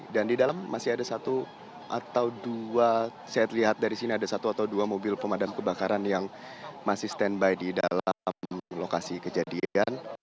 dan di dalam masih ada satu atau dua saya lihat dari sini ada satu atau dua mobil pemadam kebakaran yang masih standby di dalam lokasi kejadian